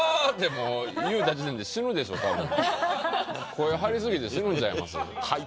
声張り過ぎて死ぬんちゃいます？